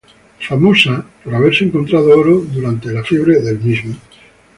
Es famosa por haberse encontrado oro durante la fiebre de oro.